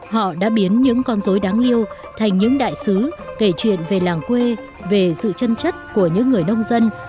họ đã biến những con dối đáng lưu thành những đại sứ kể chuyện về làng quê về sự chân chất của những người nông dân